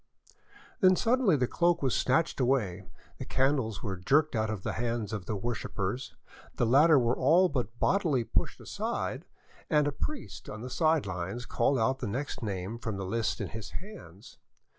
Then suddenly the cloak was snatched away, the candles were jerked out of the hands of the worshippers, the latter were all but bodily pushed aside, and a priest on the side lines called out the next name from the list in his hands.